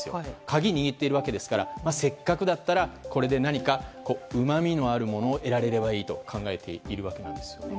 鍵を握っているわけですからせっかくだったらこれで何か、うまみのあるものを得られればいいと考えているわけなんですよね。